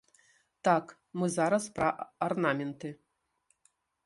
Так, мы зараз пра арнаменты.